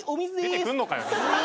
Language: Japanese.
出てくんのかよ。